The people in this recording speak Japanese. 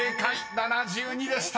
「７２」でした。